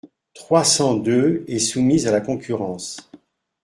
trois cents-deux est soumise à la concurrence.